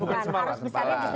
oh bukan sempalan